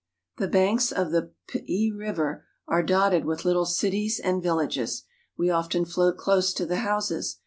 The banks of the Pei River are dotted with little cities and villages. We often float close to the houses.